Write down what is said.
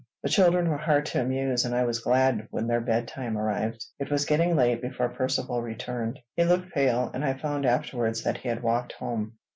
The children were hard to amuse, and I was glad when their bedtime arrived. It was getting late before Percivale returned. He looked pale, and I found afterwards that he had walked home.